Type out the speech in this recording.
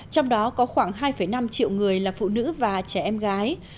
trong đó có khoảng hai năm triệu người là phụ nữ và trẻ em gái